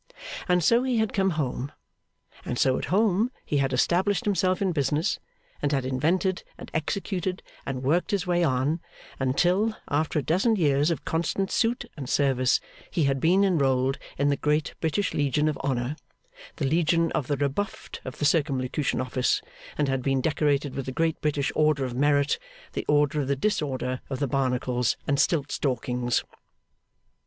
And so he had come home. And so at home he had established himself in business, and had invented and executed, and worked his way on, until, after a dozen years of constant suit and service, he had been enrolled in the Great British Legion of Honour, the Legion of the Rebuffed of the Circumlocution Office, and had been decorated with the Great British Order of Merit, the Order of the Disorder of the Barnacles and Stiltstalkings.